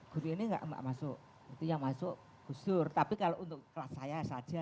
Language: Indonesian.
guru ini enggak masuk itu yang masuk gus dur tapi kalau untuk kelas saya saja